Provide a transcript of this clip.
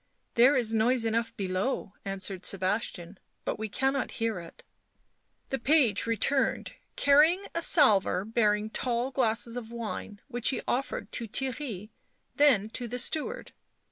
" There is noise enough below," answered Sebastian, " but we cannot hear it." The page returned, carrying a salver bearing tall glasses of wine, which he offered to Theirry, then to the steward.